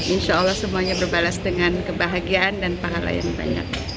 insya allah semuanya berbalas dengan kebahagiaan dan pahala yang banyak